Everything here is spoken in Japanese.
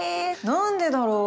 何でだろう？